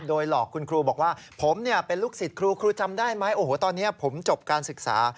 โดยหลอกคุณครูบอกว่าผมเนี่ยเป็นลูกศิษย์ครูครูจำได้ไหมโอ้โหตอนนี้ผมจบการศึกษา